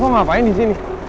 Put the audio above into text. kamu ngapain di sini